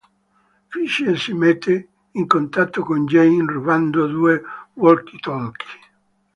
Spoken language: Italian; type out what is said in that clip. Fisher si mette in contatto con Jamie rubando due walkie-talkie.